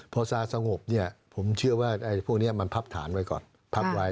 พอซาสงบผมเชื่อว่าพวกนี้มันพับฐานไว้ก่อนพับไว้